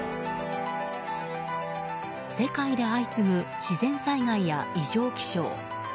世界で相次ぐ自然災害や異常気象。